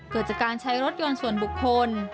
เกิดจากการใช้รถยนต์ส่วนบุคคล